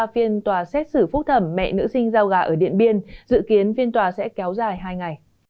phiên tòa xét xử phúc thẩm mẹ nữ sinh giao gà ở điện biên dự kiến phiên tòa sẽ kéo dài hai ngày